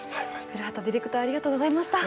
古籏ディレクターありがとうございました。